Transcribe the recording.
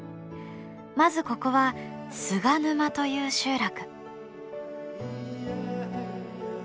まずここは菅沼という集落。